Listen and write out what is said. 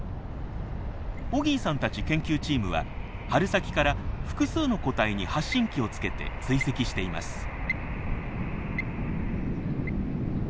オギーさんたち研究チームは春先から複数の個体に発信器をつけて追跡しています。